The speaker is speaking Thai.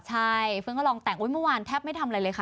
ใช่เพิ่งก็ลองแต่งอุ๊ยเมื่อวานแทบไม่ทำอะไรเลยค่ะ